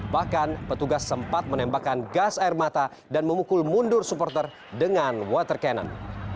bahkan petugas sempat menembakkan gas air mata dan memukul mundur supporter dengan water cannon